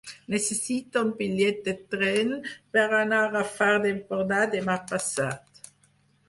Necessito un bitllet de tren per anar al Far d'Empordà demà passat.